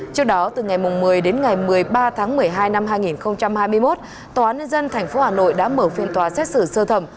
trước đó từ ngày một mươi đến ngày một mươi ba tháng một mươi hai năm hai nghìn hai mươi một tòa án nhân dân tp hà nội đã mở phiên tòa xét xử sơ thẩm